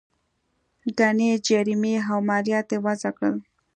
ګڼې جریمې او مالیات یې وضعه کړل.